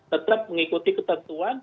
tetap mengikuti ketentuan